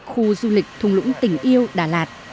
khu du lịch thùng lũng tỉnh yêu đà lạt